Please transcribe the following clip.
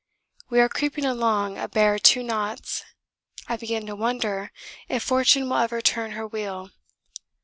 We are creeping along a bare 2 knots. I begin to wonder if fortune will ever turn her wheel.